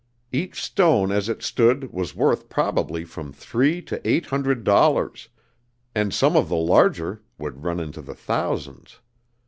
Each stone as it stood was worth probably from three to eight hundred dollars, and some of the larger would run into the thousands.